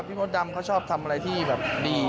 มดดำเขาชอบทำอะไรที่แบบดี